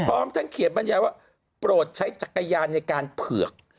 พร้อมทั้งเขียนบรรยายว่าโปรดใช้จักรยานในการเผือก